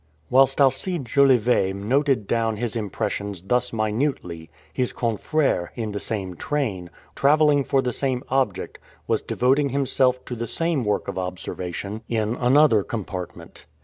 Whilst Alcide Jolivet noted down his impressions thus minutely, his confrère, in the same train, traveling for the same object, was devoting himself to the same work of observation in another compartment.